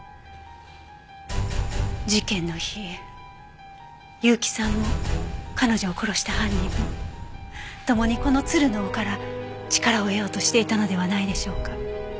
事件の日結城さんも彼女を殺した犯人もともにこの鶴の尾から力を得ようとしていたのではないでしょうか。